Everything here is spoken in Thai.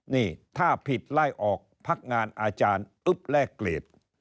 นี่ถ้าผิดไล่ออกพักงานอาจารย์อึ๊บแลกเกรด